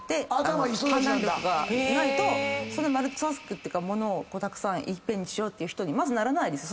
そのマルチタスクっていうか物をいっぺんにしようっていう人にまずならないです。